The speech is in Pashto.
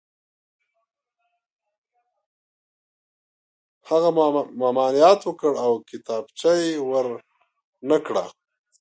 هغه ممانعت وکړ او کتابچه یې ور نه کړه